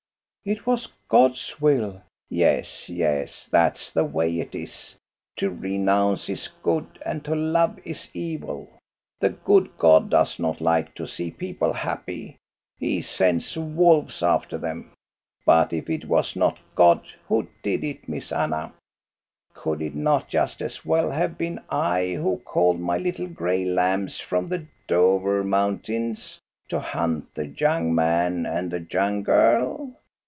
"It was God* swill." "Yes, yes, that's the way it is; to renounce is good, and to love is evil. The good God does not like to see people happy. He sends wolves after them. But if it was not God who did it, Miss Anna? Could it not just as well have been I who called my little gray lambs from the Dovre moun tains to hunt the young man and the young girl?